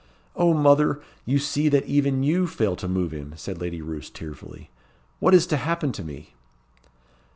"O mother! you see that even you fail to move him," said Lady Roos, tearfully. "What is to happen to me?"